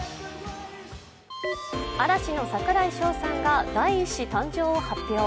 嵐の櫻井翔さんが第１子誕生を発表。